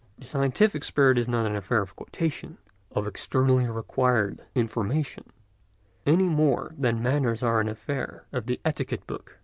The scientific spirit is not an affair of quotation, of externally acquired information, any more than manners are an affair of the etiquette book.